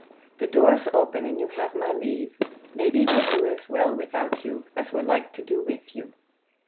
"The door's open, and you've my lave; may be we 'll do as well without you, as we're like to do with you."